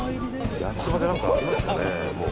焼きそばで何かありますかね。